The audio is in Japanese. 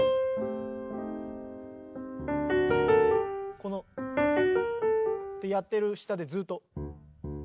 このってやってる下でずっと。